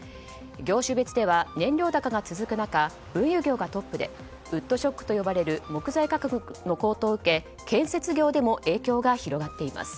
業種別では、燃料高が続く中運輸業がトップでウッドショックと呼ばれる木材価格の高騰を受け建設業でも影響が広がっています。